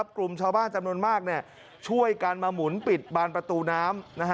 กลุ่มชาวบ้านจำนวนมากช่วยกันมาหมุนปิดบานประตูน้ำ